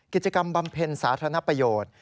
กิจกรรมบำเพ็ญสาธารณประโยท